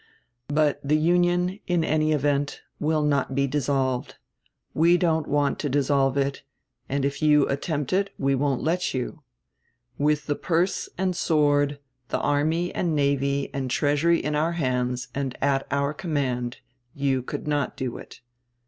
But the Union, in any event, will not be dissolved. We don't want to dissolve it, and if you attempt it we won't let you. With the purse and sword, the army and navy and treasury in our hands and at our command, you could not do it.